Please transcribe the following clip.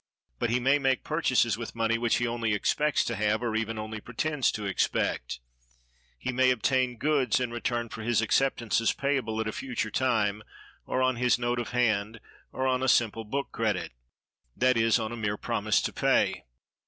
But he may make purchases with money which he only expects to have, or even only pretends to expect. He may obtain goods in return for his acceptances payable at a future time, or on his note of hand, or on a simple book credit—that is, on a mere promise to pay.